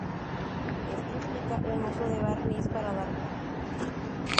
Esto implica un uso de barniz para dar brillo.